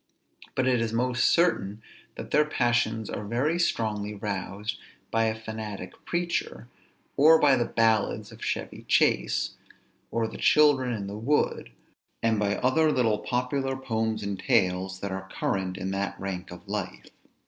But it is most certain that their passions are very strongly roused by a fanatic preacher, or by the ballads of Chevy Chase, or the Children in the Wood, and by other little popular poems and tales that are current in that rank of life.